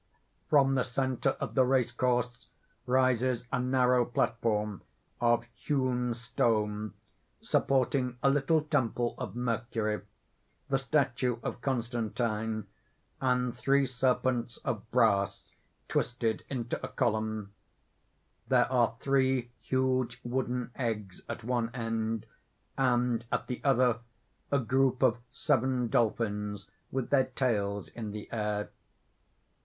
From the centre of the race course rises a narrow platform of hewn stone, supporting a little temple of Mercury, the statue of Constantine, and three serpents of brass twisted into a column; there are three huge wooden eggs at one end, and at the other a group of seven dolphins with their tails in the air.